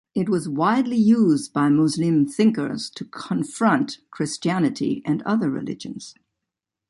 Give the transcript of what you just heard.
It was widely used by Muslim thinkers to confrontation Christianity and other religions.